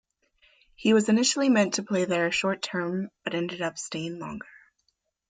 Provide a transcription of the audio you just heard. He was initially meant to play there short term but ended up staying longer.